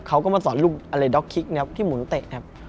เขาก็มาสอนลูกอะไรด็อกคิกนะครับที่หมุนเตะครับ